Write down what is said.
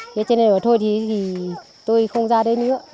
thế cho nên là thôi thì tôi không ra đây nữa